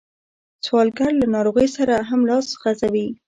سوالګر له ناروغۍ سره هم لاس غځوي